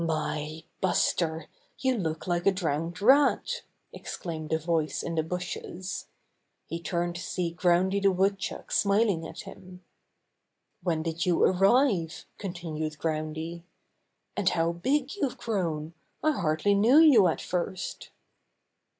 ^^My, Buster, you look like a drowned rat!" exclaimed a voice in the bushes. He turned to see Groundy the Woodchuck smiling at him. 'When did you arrive?" continued Groundy. "And how big you've grown! I hardly knew you at first."